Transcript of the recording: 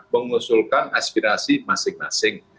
mengusulkan aspirasi masing masing